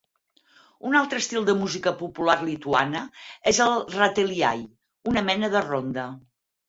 Un altre estil de música popular lituana és el rateliai, una mena de ronda.